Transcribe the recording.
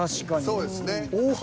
そうですね。